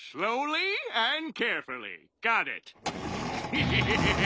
ヘヘヘヘヘ！